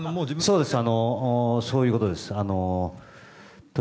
そうです。